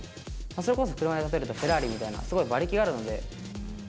それこそ、車に例えるとフェラーリみたいな、すごい馬力があるので。